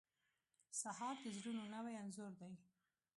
سهار د زړونو نوی انځور دی.